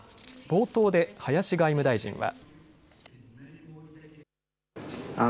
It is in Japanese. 冒頭で林外務大臣は。